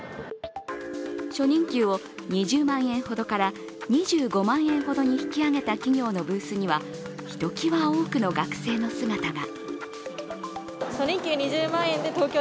初任給を２０万円ほどから２５万円ほどに引き上げた企業のブースにはひときわ多くの学生の姿が。